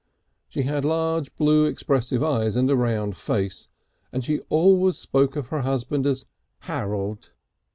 She had large blue expressive eyes and a round face, and she always spoke of her husband as Harold.